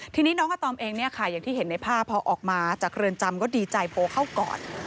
ทีนี้น้องอาตอมเองเนี่ยค่ะอย่างที่เห็นในภาพพอออกมาจากเรือนจำก็ดีใจโพลเข้าก่อน